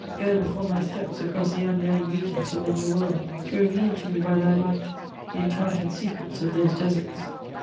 Go before my steps across the unknown regions of the New World, to reveal to me by thy light the enchanting secrets of those deserts!"